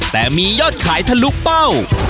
แต่มียอดขายทะลุเป้า